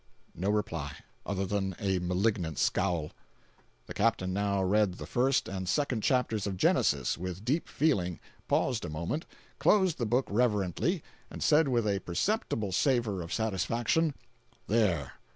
No reply—other than a malignant scowl. The captain now read the first and second chapters of Genesis, with deep feeling—paused a moment, closed the book reverently, and said with a perceptible savor of satisfaction: "There.